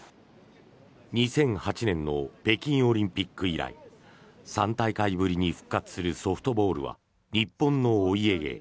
２００８年の北京オリンピック以来３大会ぶりに復活するソフトボールは日本のお家芸。